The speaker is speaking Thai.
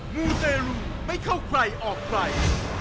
มูเตรลูไม่เข้าใครออกใคร